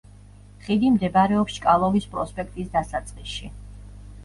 ხიდი მდებარეობს ჩკალოვის პროსპექტის დასაწყისში.